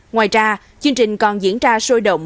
ngoài ra chương trình còn diễn ra sôi động